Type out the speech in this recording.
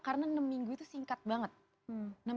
karena enam minggu itu singkat banget